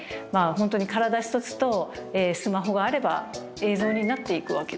本当に体一つとスマホがあれば映像になっていくわけですよね。